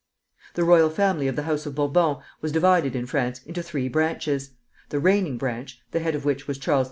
The royal family of the house of Bourbon was divided in France into three branches, the reigning branch, the head of which was Charles X.